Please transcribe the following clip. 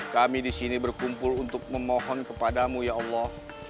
kami disini berkumpul untuk memohon kepadamu ya allah